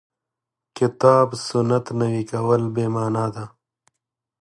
کتاب سنت نوي کول بې معنا ده.